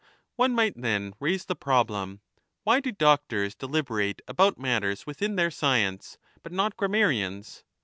One might then raise the problem — why do doctors deliberate about matters within their science, but not grammarians